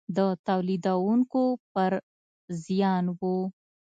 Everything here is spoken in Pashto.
د تولیدوونکو پر زیان و.